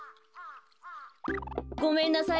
ごめんなさいね。